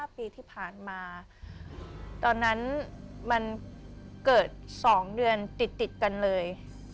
ปีที่ผ่านมาตอนนั้นมันเกิด๒เดือนติดกันเลย